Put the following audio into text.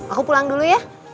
aku pulang dulu ya